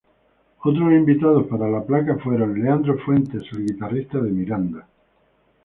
Otros invitados para la placa fueron: Leandro Fuentes, el guitarrista de Miranda!